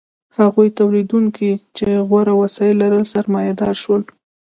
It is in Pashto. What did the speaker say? هغو تولیدونکو چې غوره وسایل لرل سرمایه دار شول.